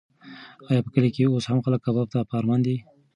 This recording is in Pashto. ایا په کلي کې اوس هم خلک کباب ته په ارمان دي؟